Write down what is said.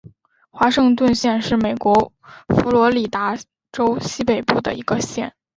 华盛顿县是美国佛罗里达州西北部的一个县。